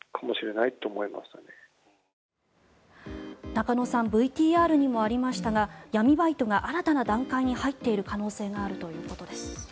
中野さんＶＴＲにもありましたが闇バイトが新たな段階に入っている可能性があるということです。